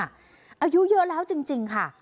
อายุเยอะแล้วจริงค่ะ